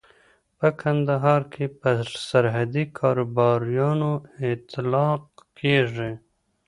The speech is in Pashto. په کندهار کې پر سرحدي کاروباريانو اطلاق کېږي.